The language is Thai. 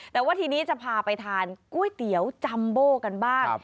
แต่ว่าทีนี้จะพาไปทานก๋วยเตี๋ยวจัมโบกันบ้าง